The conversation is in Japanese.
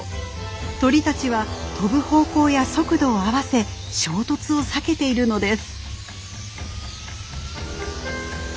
鳥たちは飛ぶ方向や速度を合わせ衝突を避けているのです。